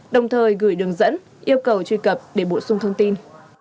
đồng thời gửi đường dẫn yêu cầu truy cập để bổ sung thông tin